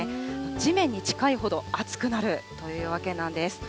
地面に近いほど暑くなるというわけなんです。